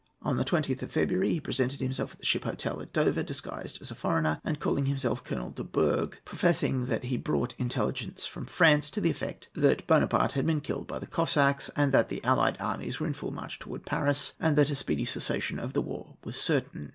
On the 20th of February he presented himself at the Ship Hotel at Dover, disguised as a foreigner and calling himself Colonel De Bourg, professing that he brought intelligence from France to the effect that Buonaparte had been killed by the Cossacks, that the allied armies were in full march towards Paris, and that a speedy cessation of the war was certain.